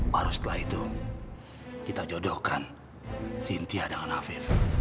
baru setelah itu kita jodohkan sintia dengan afif